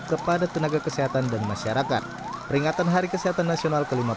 kepada tenaga kesehatan dan masyarakat peringatan hari kesehatan nasional ke lima puluh